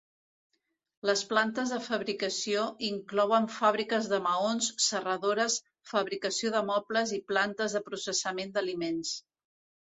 Les plantes de fabricació inclouen fàbriques de maons, serradores, fabricació de mobles i plantes de processament d'aliments.